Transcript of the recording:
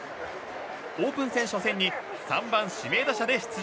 オープン戦初戦に３番指名打者で出場。